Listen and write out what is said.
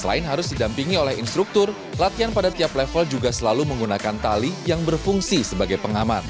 selain harus didampingi oleh instruktur latihan pada tiap level juga selalu menggunakan tali yang berfungsi sebagai pengaman